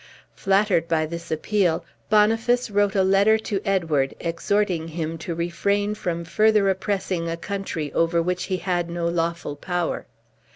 Flattered by this appeal, Boniface wrote a letter to Edward, exhorting him to refrain from Further oppressing a country over which he had no lawful power.